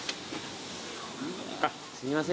あっすいません